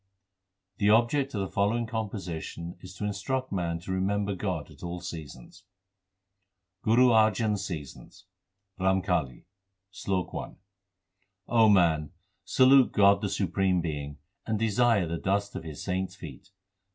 The object of the following composition is to in struct man to remember God at all seasons : GURU ARJAN S SEASONS RAMKALI SLOK I O man, salute God the Supreme Being, and desire the dust of His saints feet.